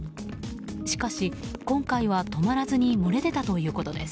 しかし、今回は止まらずに漏れ出たということです。